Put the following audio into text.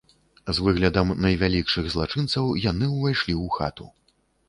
З выглядам найвялікшых злачынцаў яны ўвайшлі ў хату.